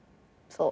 そう。